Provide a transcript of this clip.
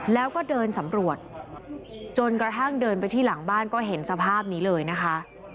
แล้วก็เดินสำรวจจนกระทั่งเดินไปที่หลังบ้านก็เห็นสภาพนี้เลยนะคะ